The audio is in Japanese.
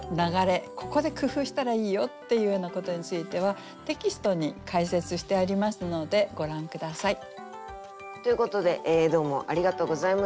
ここで工夫したらいいよっていうようなことについてはテキストに解説してありますのでご覧下さい。ということでどうもありがとうございました。